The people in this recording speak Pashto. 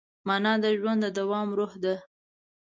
مانا د ژوند د دوام روح ده.